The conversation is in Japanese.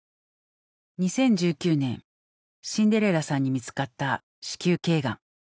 ２０１９年シンデレラさんに見つかった子宮頸がん。